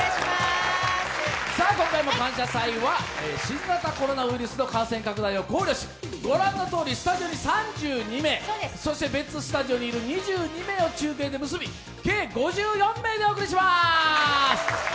今回も「感謝祭」は新型コロナウイルスの感染拡大を考慮し、ご覧のとおり、スタジオに３２名そして別スタジオにいる２２名を中継で結び計５４名でお送りします！